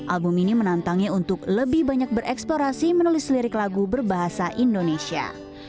album ini menantangnya untuk lebih banyak bereksplorasi menulis lirik lagu berbahasa indonesia